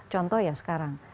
contoh ya sekarang